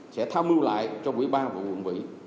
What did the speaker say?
sẽ thao mưu lại cho quỹ ban vụ quận vĩ